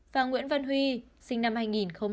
và nguyễn văn huy sinh năm hai nghìn bốn